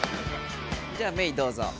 じゃあメイどうぞ。